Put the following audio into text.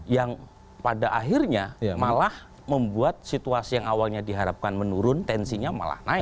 yang pada akhirnya malah membuat situasi yang awalnya diharapkan menurun tensinya malah naik